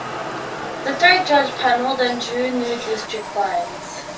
A three-judge panel then drew new district lines.